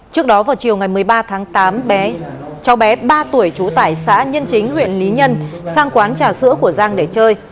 trước đó vào chiều ngày một mươi ba tháng tám bé cháu bé ba tuổi trú tại xã nhân chính huyện lý nhân sang quán trà sữa của giang để chơi